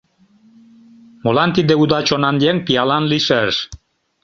Молан тиде уда чонан еҥ пиалан лийшаш?